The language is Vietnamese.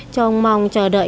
trong mong chờ đợi